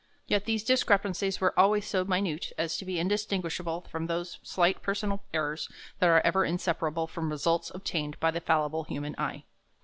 Yet these discrepancies were always so minute as to be indistinguishable from those slight personal errors that are ever inseparable from results obtained by the fallible human eye.